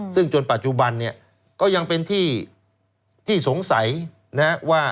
ซึ่งจนปัจจุบันเนี่ยก็ยังเป็นที่สงสัยนะว่า